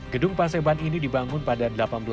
gedung paseban ini dibangun pada seribu delapan ratus enam puluh